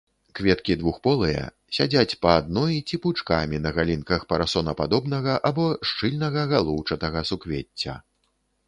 Кветкі двухполыя, сядзяць па адной ці пучкамі на галінках парасонападобнага або шчыльнага галоўчатага суквецця.